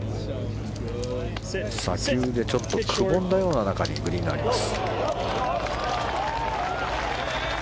砂丘でちょっとくぼんだようなところにグリーンがあります。